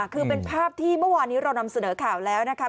คือเป็นภาพที่เมื่อวานนี้เรานำเสนอข่าวแล้วนะคะ